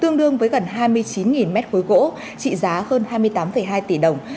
tương đương với gần hai mươi chín mét khối gỗ trị giá hơn hai mươi tám hai tỷ đồng